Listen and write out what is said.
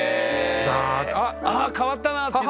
あっ変わったなっていうのが？